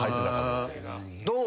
どう？